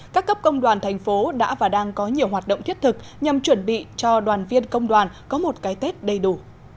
các cấp công đoàn thành phố đã và đang có nhiều hoạt động thiết thực nhằm chuẩn bị cho đoàn viên công đoàn có một cái tết đầy đủ